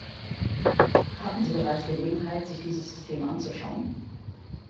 Hatten Sie bereits Gelegenheit, sich dieses System anzuschauen?